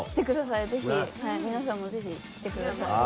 皆さんもぜひ来てください。